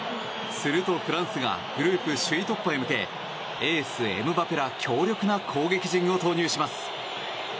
するとフランスがグループ首位突破へ向けエース、エムバペら強力な攻撃陣を投入します。